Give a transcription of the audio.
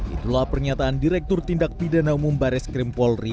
itulah pernyataan direktur tindak bidana umum baris krimpolri